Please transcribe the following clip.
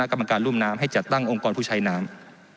กรรมการรุ่มน้ำให้จัดตั้งองค์กรผู้ใช้น้ำ